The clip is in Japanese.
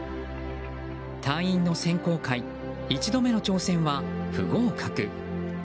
隊員の選考会１度目の挑戦は不合格。